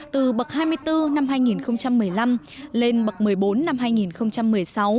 từ bậc hai mươi bốn năm hai nghìn một mươi năm lên bậc một mươi bốn năm hai nghìn một mươi sáu